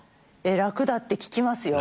楽だって聞きますよ。